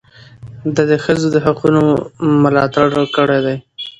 ده د ښځو د حقونو ملاتړ کړی دی.